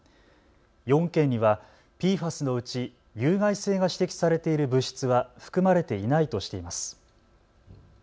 ４件にはＰＦＡＳのうち有害性が指摘されている物質は含まれていないとしています。